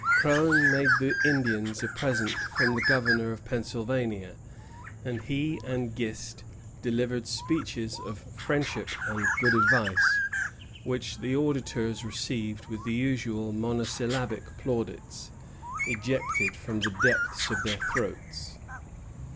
Croghan made the Indians a present from the Governor of Pennsylvania; and he and Gist delivered speeches of friendship and good advice, which the auditors received with the usual monosyllabic plaudits, ejected from the depths of their throats.